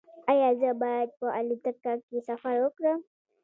ایا زه باید په الوتکه کې سفر وکړم؟